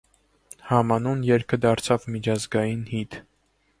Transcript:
Համանուն երգը դարձավ միջազգային հիթ։